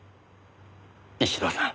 石堂さん。